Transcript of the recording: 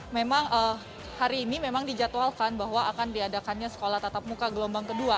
memang hari ini memang dijadwalkan bahwa akan diadakannya sekolah tatap muka gelombang kedua